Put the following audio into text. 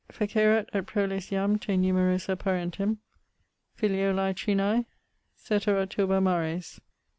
Fecerat et proles jam te numerosa parentem, Filiolae trinae, caetera turba mares.